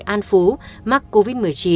an phú mắc covid một mươi chín